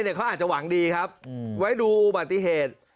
เขาอาจจะหวังดีครับไว้ดูอุบัติเหตุ